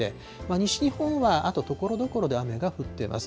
西日本はあとところどころで雨が降っています。